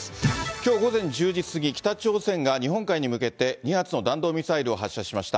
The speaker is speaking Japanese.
きょう午前１０時過ぎ、北朝鮮が日本海に向けて、２発の弾道ミサイルを発射しました。